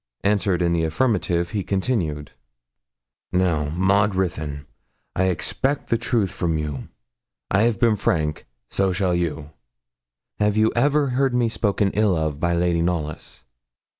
Answered in the affirmative, he continued 'Now, Maud Ruthyn, I expect the truth from you; I have been frank, so shall you. Have you ever heard me spoken ill of by Lady Knollys?'